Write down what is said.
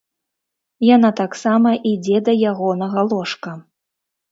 Яна таксама ідзе да ягонага ложка.